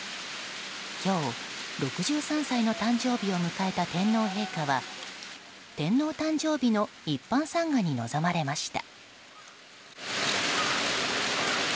今日、６３歳の誕生日を迎えた天皇陛下は天皇誕生日の一般参賀に臨まれました。